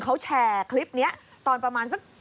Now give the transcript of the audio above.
เขาแชร์คลิปนี้ตอนประมาณสัก